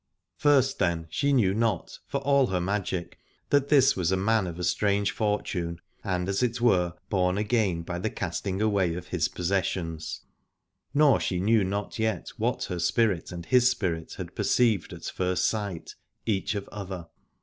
First then she knew not, for all her magic, that this was a man of a strange fortune, and as it were born again by the casting away of his possessions : nor she knew not yet what her spirit and his spirit had perceived at first sight, each of other.